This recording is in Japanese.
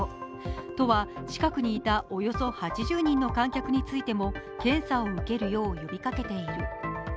都は近くにいたおよそ８０人の観客についても検査を受けるよう呼びかけている。